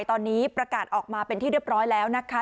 ตอนนี้ประกาศออกมาเป็นที่เรียบร้อยแล้วนะคะ